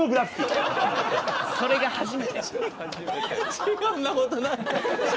そんなことない！